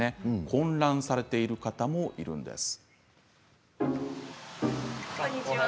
混乱されている方もいるんです。